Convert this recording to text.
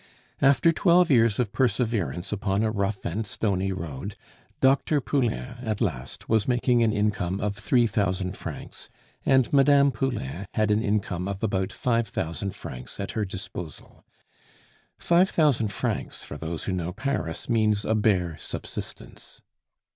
After twelve years of perseverance upon a rough and stony road, Dr. Poulain at last was making an income of three thousand francs, and Mme. Poulain had an income of about five thousand francs at her disposal. Five thousand francs for those who know Paris means a bare subsistence.